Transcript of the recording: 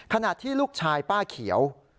ขณะที่ลูกชายป้าเขียว